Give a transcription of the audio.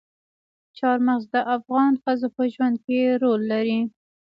چار مغز د افغان ښځو په ژوند کې رول لري.